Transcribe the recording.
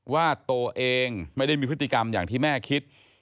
ว่าตัวเองไม่ได้มีพฤติกรรมอย่างที่แม่คิด